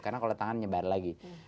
karena kalau tangan nyebar lagi